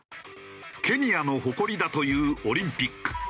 ケニアの誇りだというオリンピック。